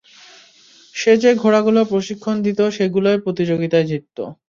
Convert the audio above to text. সে যে ঘোড়াগুলোকে প্রশিক্ষণ দিতো সেগুলোই প্রতিযোগিতায় জিততো।